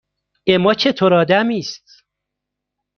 اِما چطور آدمی است؟